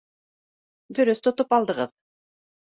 Дөрөҫ тотоп алдығыҙ